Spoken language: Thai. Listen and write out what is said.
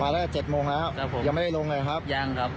มาแล้ว๗โมงแล้วยังไม่ได้ลงเลยครับยังครับ